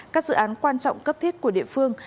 các dự án quan trọng cấp thiết của địa phương